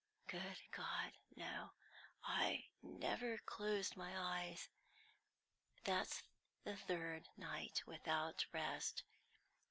"Good God, no! I never closed my eyes. That's the third night without rest.